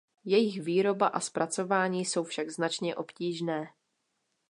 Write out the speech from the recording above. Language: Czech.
Jejich výroba a zpracování jsou však značně obtížné.